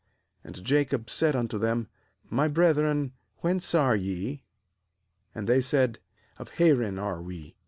— 4And Jacob said unto them: 'My brethren, whence areye?' And they said: 'Of Haran are we.'